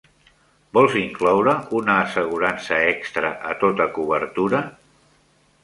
Vols incloure una assegurança extra a tota cobertura?